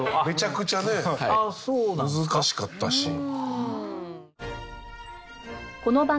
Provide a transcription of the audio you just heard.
めちゃくちゃね難しかったし。